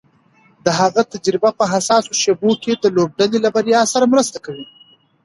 د هغه تجربه په حساسو شېبو کې د لوبډلې له بریا سره مرسته کوي.